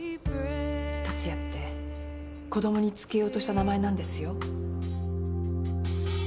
「達也」って子供に付けようとした名前なんですよ。